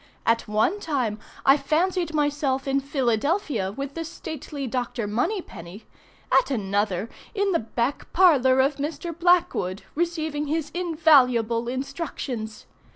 At one time I fancied myself in Philadelphia with the stately Dr. Moneypenny, at another in the back parlor of Mr. Blackwood receiving his invaluable instructions.